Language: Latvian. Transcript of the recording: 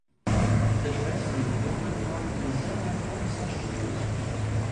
Taču veselības bumbiņa nokritīs zemē un sašķīdīs.